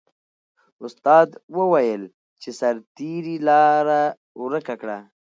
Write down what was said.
استاد وویل چې سرتیري لاره ورکه کړه.